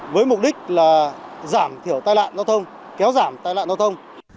với mục đích là giảm thiểu tai nạn giao thông kéo giảm tai nạn giao thông